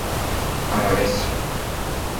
A la vez.